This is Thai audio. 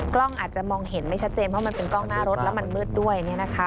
กล้องอาจจะมองเห็นไม่ชัดเจนเพราะมันเป็นกล้องหน้ารถแล้วมันมืดด้วย